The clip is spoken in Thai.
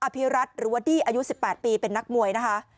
ภิรัตน์หรือว่าดี้อายุ๑๘ปีเป็นนักมวยนะคะ